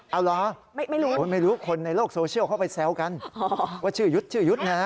เอาเหรอไม่รู้คนในโลกโซเชียลเข้าไปแซวกันว่าชื่อหยุดชื่อหยุด